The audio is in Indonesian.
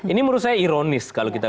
ini menurut saya ironis kalau kita